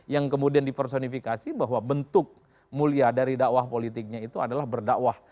yang kemudian dipersonifikasi bahwa bentuk mulia dari dakwah politiknya itu adalah berdakwah